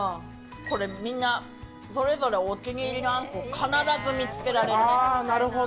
これみんな、それぞれお気に入りのあんこを必ず見つけられるね。